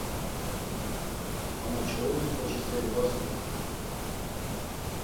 Ama çoğuri ǩoçi st̆eri var sǩudanen.